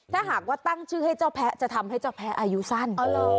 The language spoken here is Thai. ถ้าหากว่าตั้งชื่อให้เจ้าแพ้จะทำให้เจ้าแพ้อายุสั้น